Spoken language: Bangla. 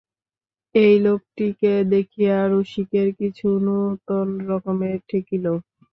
এই লোকটিকে দেখিয়া রসিকের কিছু নূতন রকমের ঠেকিল।